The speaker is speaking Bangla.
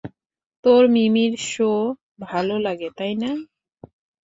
তোর মিমির শো ভালো লাগে, তাই না?